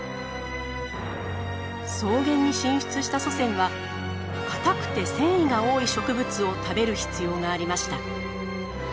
草原に進出した祖先は硬くて繊維が多い植物を食べる必要がありました。